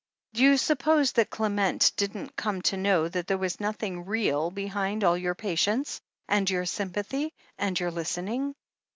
Do you sup pose that Clement didn't come to know that there was nothing real behind all your patience, and your sym pathy and your listening?